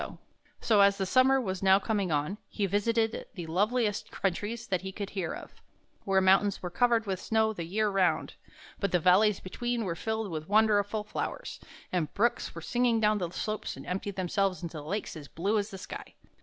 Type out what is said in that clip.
So, as the summer was now coming on, he visited the loveliest countries that he could hear of, where the mountains were covered with snow the year round, but the valleys between were filled with wonderful flowers, and brooks went singing down the slopes and emptied themselves into lakes as blue as the sky.